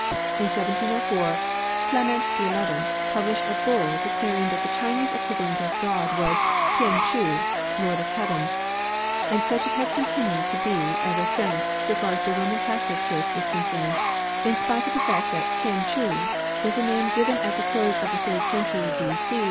In 1704 Clement XI pubUshed a bull declaring that the Chinese equivalent for God was THen Ghu=liOTd of { Heaven ; and such it has continued to be ever since, so far as the Roman CathoHc church is concerned, in spite of the fact that THen Ghu \ was a name given at the close of the third cen tury B.C.